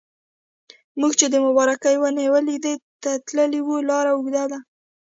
موږ چې د مبارکې ونې لیدلو ته تللي وو لاره اوږده وه.